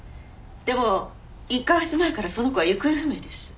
でも１カ月前からその子は行方不明です。